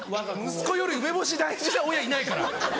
息子より梅干し大事な親いないから。